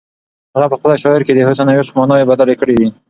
هغه په خپله شاعري کې د حسن او عشق ماناوې بدلې کړې دي.